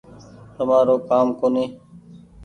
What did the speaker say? تآرو ڪآم ڪونيٚ